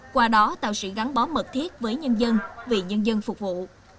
qua đó tạo sự gắn bó mật thiết với nhân dân vì nhân dân phục vụ